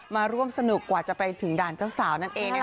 มาร่วมสนุกกว่าจะไปถึงด่านเจ้าสาวนั่นเองนะคะ